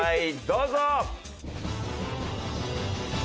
どうぞ！